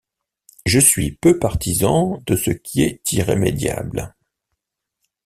Je suis peu partisan de ce qui est irrémédiable.